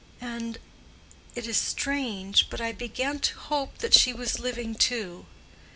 And—it is strange—but I began to hope that she was living too.